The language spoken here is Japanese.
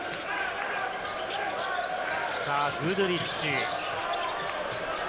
グドゥリッチ。